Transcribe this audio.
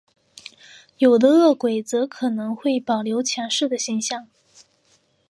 有的饿鬼则可能会保留前世的形象。